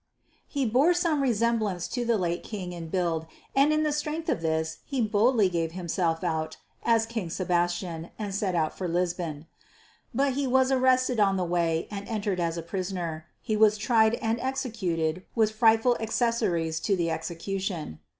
He bore some resemblance to the late king in build, and in the strength of this he boldly gave himself out as "King Sebastian" and set out for Lisbon. But he was arrested by the way and entered as a prisoner. He was tried and executed with frightful accessories to the execution.